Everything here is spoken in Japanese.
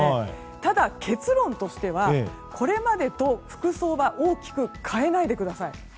ただ、結論としてはこれまでと服装は大きく変えないでください。